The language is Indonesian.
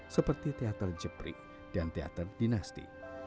seperti teater jeprik dan teater dinasti